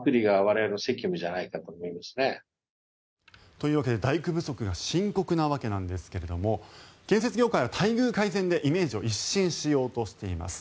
というわけで大工不足が深刻なわけなんですが建設業界は待遇改善でイメージを一新しようとしています。